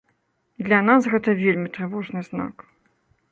Для нас гэта вельмі трывожны знак.